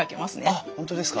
あっ本当ですか。